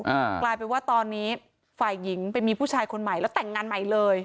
อ่ากลายเป็นว่าตอนนี้ฝ่ายหญิงไปมีผู้ชายคนใหม่แล้วแต่งงานใหม่เลย